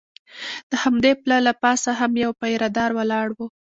د همدې پله له پاسه هم یو پیره دار ولاړ و.